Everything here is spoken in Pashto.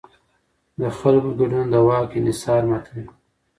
د خلکو ګډون د واک انحصار ماتوي